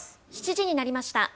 ７時になりました。